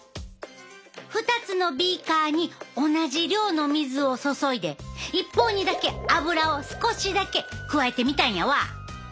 ２つのビーカーに同じ量の水を注いで一方にだけアブラを少しだけ加えてみたんやわ。